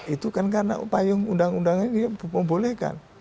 itu kan karena payung undang undang ini membolehkan